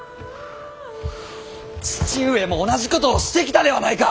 父上も同じことをしてきたではないか！